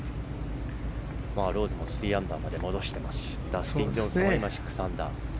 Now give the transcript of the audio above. ローズも３アンダーまで戻していますしダスティン・ジョンソンも今、６アンダー。